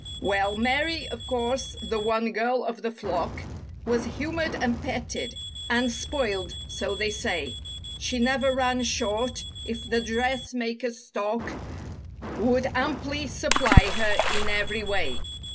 Well Mary, of course, the one girl of the flock. Was humored and petted and spoiled—so they say; She never ran short if the dressmaker's stock Would amply supply her in every way.